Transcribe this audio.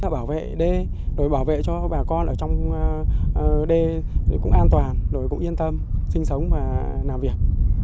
bảo vệ đê đối với bảo vệ cho bà con ở trong đê thì cũng an toàn đối với cũng yên tâm sinh sống và làm việc